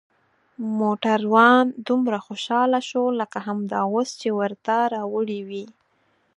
موټروان دومره خوشحاله شو لکه همدا اوس چې ورته راوړي وي.